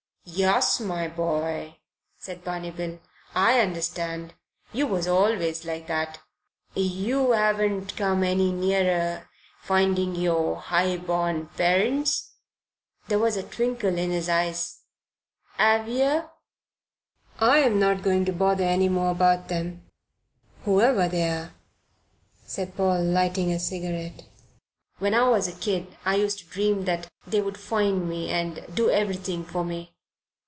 "Yuss, my boy," said Barney Bill. "I understand. You was always like that. You haven't come any nearer finding your 'igh born parents?" there was a twinkle in his eyes "'ave yer?" "I'm not going to bother any more about them, whoever they are," said Paul, lighting a cigarette. "When I was a kid I used to dream that they would find me and do everything for me.